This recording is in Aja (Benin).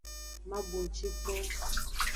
Ma bunci kpo.